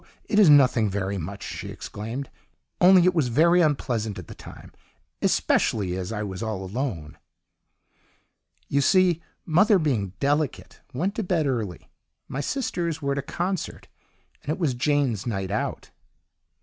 it is nothing very much!" she exclaimed, "only it was very unpleasant at the time especially as I was all alone. "You see, mother, being delicate, went to bed early, my sisters were at a concert, and it was Jane's 'night out.